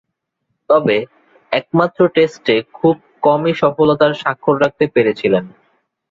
তবে, একমাত্র টেস্টে খুব কমই সফলতার স্বাক্ষর রাখতে পেরেছিলেন।